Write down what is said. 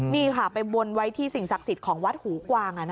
นี่ค่ะไปบนไว้ที่สิ่งศักดิ์สิทธิ์ของวัดหูกวาง